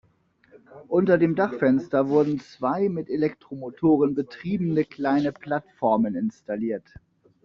Unter dem Dachfenster wurden zwei mit Elektromotoren betriebene kleine Plattformen installiert.